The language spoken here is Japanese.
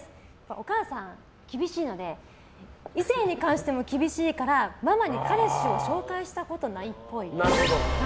お母さん、厳しいので異性に関しても厳しいからママに彼氏を紹介したことないっぽい。